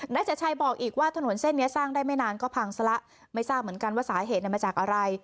ัชชัยบอกอีกว่าถนนเส้นนี้สร้างได้ไม่นานก็พังซะละไม่ทราบเหมือนกันว่าสาเหตุมาจากอะไร